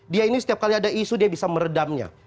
dia ini setiap kali ada isu dia bisa meredamnya